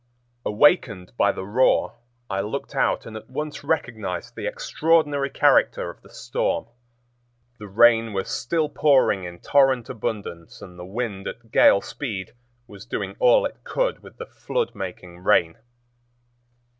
Awakened by the roar, I looked out and at once recognized the extraordinary character of the storm. The rain was still pouring in torrent abundance and the wind at gale speed was doing all it could with the flood making rain.